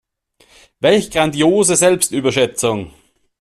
Welch grandiose Selbstüberschätzung.